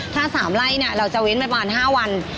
ถ้า๓ไร่เราจะเว้นไปประมาณ๕วัน